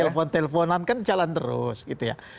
telepon teleponan kan jalan terus gitu ya